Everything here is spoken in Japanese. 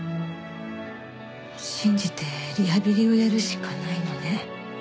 信じてリハビリをやるしかないのね。